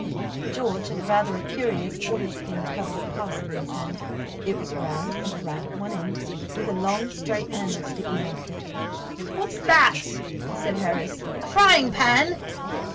George had rather a curious oilskin covered parcel in his hand. It was round and flat at one end, with a long straight handle sticking out of it. "What's that?" said Harris—"a frying pan?"